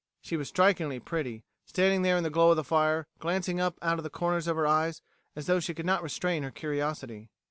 She was strikingly pretty, standing there in the glow of the fire, glancing up out of the corners of her eyes, as though she could not restrain her curiosity.